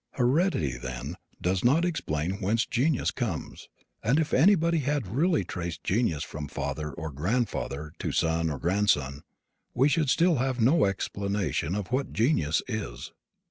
Heredity, then, does not explain whence genius comes; and if anybody had really traced genius from father, or grandfather, to son or grandson, we should still have no explanation of what genius is.